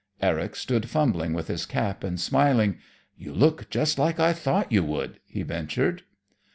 Eric stood fumbling with his cap and smiling. "You look just like I thought you would," he ventured.